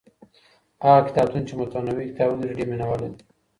هغه کتابتون چي متنوع کتابونه لري ډېر مينه وال لري.